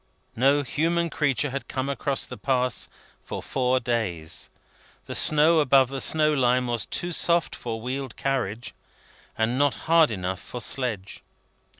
No human creature had come across the Pass for four days. The snow above the snow line was too soft for wheeled carriage, and not hard enough for sledge.